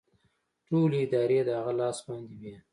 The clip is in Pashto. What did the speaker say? ټولې ادارې د هغه لاس باندې وې